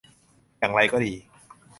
อย่างไรก็ดี